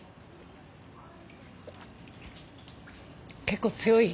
結構強い。